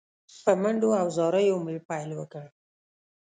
په منډو او زاریو مې پیل وکړ.